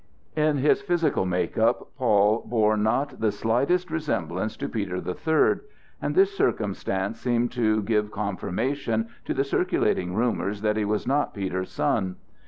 In his physical make up Paul bore not the slightest resemblance to Peter the Third, and this circumstance seemed to give confirmation to the circulating rumors that he was not Peter's son.